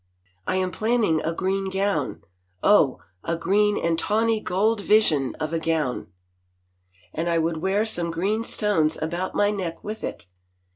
" I am planning a green gown, oh, a green and tawny gold vision of a gown, 215 THE FAVOR OF KINGS and I would wear some green stones about my neck with it."